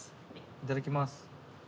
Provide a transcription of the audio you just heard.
いただきます。